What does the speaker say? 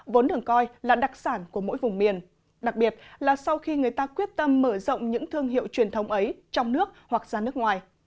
vốn được coi là đặc sản của mỗi vùng miền đặc biệt là sau khi người ta quyết tâm mở rộng những thương hiệu truyền thống ấy trong nước hoặc ra nước ngoài